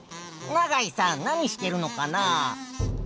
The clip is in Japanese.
永井さん何してるのかな？